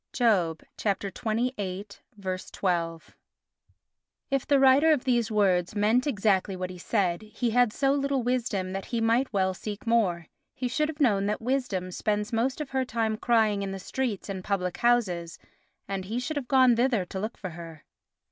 (Job xxviii. 12). If the writer of these words meant exactly what he said, he had so little wisdom that he might well seek more. He should have known that wisdom spends most of her time crying in the streets and public houses, and he should have gone thither to look for her.